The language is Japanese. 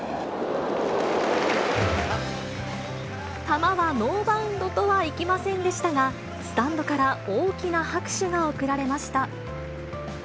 球はノーバウンドとはいきませんでしたが、スタンドから大きな拍手が送られました。